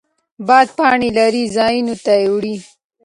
باد پاڼې لرې ځایونو ته وړي.